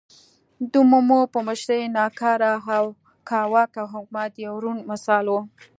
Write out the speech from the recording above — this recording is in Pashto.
د مومو په مشرۍ ناکاره او کاواکه حکومت یو روڼ مثال و.